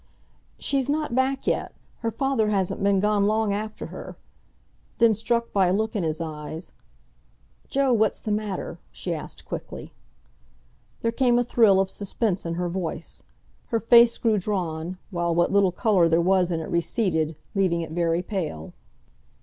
"She's not back yet. Her father hasn't been gone long after her." Then, struck by a look in his eyes, "Joe, what's the matter?" she asked quickly. There came a thrill of suspense in her voice, her face grew drawn, while what little colour there was in it receded, leaving it very pale.